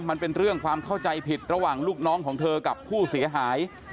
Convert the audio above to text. มันเป็นเรื่องความเข้าใจผิดระหว่างลูกน้องของเธอกับผู้เสียหาย